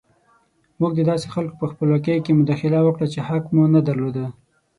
موږ د داسې خلکو په خپلواکۍ کې مداخله وکړه چې حق مو نه درلود.